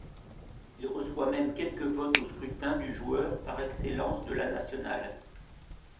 Il reçoit même quelques votes au scrutin du joueur par excellence de la Nationale.